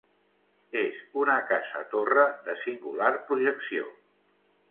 És una casa-torre de singular projecció.